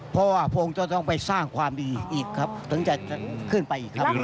เพราะว่าพระองค์จะต้องไปสร้างความดีอีกครับถึงจะขึ้นไปอีกครับ